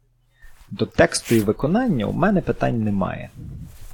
До тексту й виконання в мене питань немає.